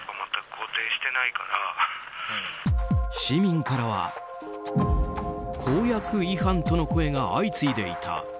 市民からは公約違反との声が相次いでいた。